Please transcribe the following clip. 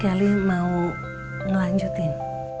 kelly mau ngelanjutin